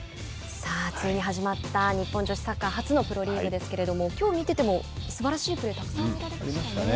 さあついに始まった日本女子サッカー初のプロリーグですけれどもきょう、見ててもすばらしいプレーがたくさん見られましたね。